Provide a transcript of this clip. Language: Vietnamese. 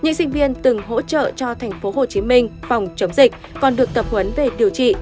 những sinh viên từng hỗ trợ cho tp hcm phòng chống dịch còn được tập huấn về điều trị